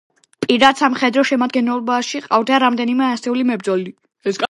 პირად სამხედრო შემადგენლობაში ჰყავდა რამდენიმე ასეული მებრძოლი.